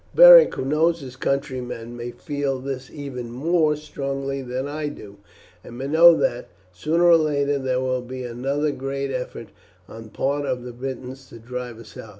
"Beric, who knows his countrymen, may feel this even more strongly than I do, and may know that, sooner or later, there will be another great effort on the part of the Britons to drive us out.